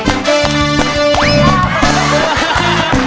เต้นสักพักนึงก่อน